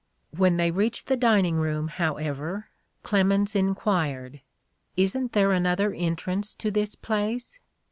"When they reached the dining room, however, Clemens in quired, "Isn't there another entrance to this place?"